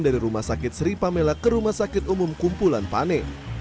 dari rumah sakit sri pamela ke rumah sakit umum kumpulan pane